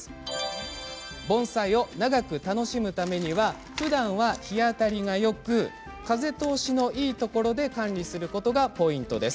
盆栽を長く楽しむためにはふだんは日当たりがよく風通しのいいところで管理することがポイントです。